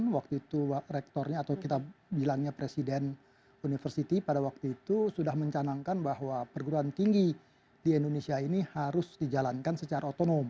waktu itu rektornya atau kita bilangnya presiden university pada waktu itu sudah mencanangkan bahwa perguruan tinggi di indonesia ini harus dijalankan secara otonom